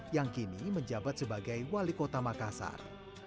yang kini menjabat sebagai wali kota makassar